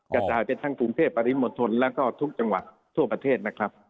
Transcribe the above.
ก็จะหายไปทางภูมิเทพฯปริมทรและทุกจังหวัดทั่วประเทศนะครับ